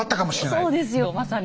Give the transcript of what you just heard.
もうそうですよまさに。